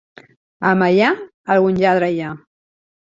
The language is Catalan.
A Meià algun lladre hi ha.